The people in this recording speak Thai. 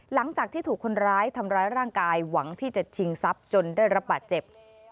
หลังจากที่ถูกคนร้ายทำร้ายร่างกายหวังที่จะชิงทรัพย์จนได้รับบาดเจ็บ